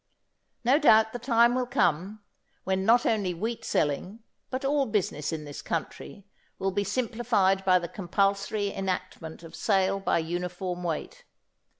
No doubt the time will come, when not only wheat selling, but all business in this country, will be simplified by the compulsory enactment of sale by uniform weight.